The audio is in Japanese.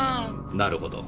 なるほど。